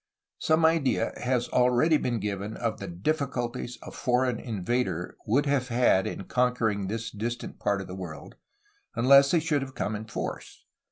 Some idea has already been given of the difficulties a foreign invader would have had in conquering this distant part of the world, un ess he should have come in force.